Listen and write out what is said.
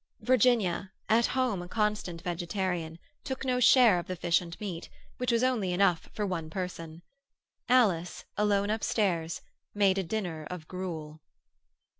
Virginia, at home a constant vegetarian, took no share of the fish and meat—which was only enough for one person. Alice, alone upstairs, made a dinner of gruel.